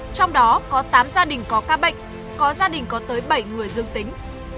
trong đó có tám gia đình có ca bệnh có gia đình có tới bảy người dương tính